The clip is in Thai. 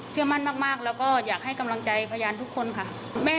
เชื่อมั่นมากแล้วก็อยากให้กำลังใจพยานทุกคนค่ะ